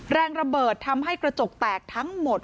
แรงระเบิดทำให้กระจกแตกทั้งหมด